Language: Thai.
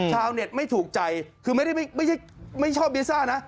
ชาวเน็ตไม่ถูกใจคือไม่ได้ไม่ชอบลิซ่านะ